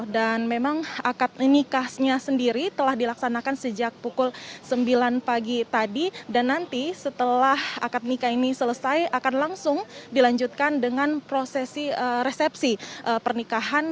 dan memang akad nikahnya sendiri telah dilaksanakan sejak pukul sembilan pagi tadi dan nanti setelah akad nikah ini selesai akan langsung dilanjutkan dengan prosesi resepsi pernikahan